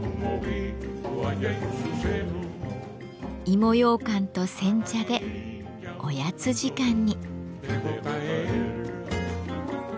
芋ようかんと煎茶でおやつ時間に。